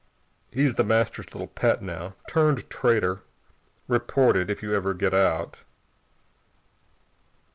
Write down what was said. He's The Master's little pet, now. Turned traitor. Report it, if you ever get out."